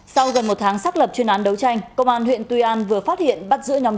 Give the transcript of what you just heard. sau gần một tháng xác lập chuyên án đấu tranh công an huyện tuy an vừa phát hiện bắt giữ nhóm